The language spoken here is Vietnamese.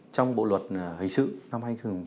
trong bộ luật hình sự năm hai nghìn một mươi năm